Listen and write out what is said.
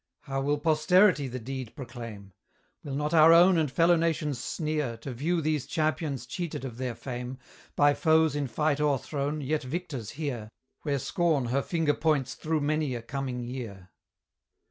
How will posterity the deed proclaim! Will not our own and fellow nations sneer, To view these champions cheated of their fame, By foes in fight o'erthrown, yet victors here, Where Scorn her finger points through many a coming year?